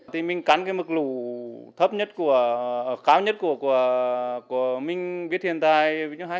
thì mình cắn cái mực lũ thấp nhất của kháu nhất của mình biết hiện tại